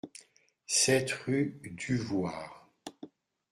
sept rue Duvoir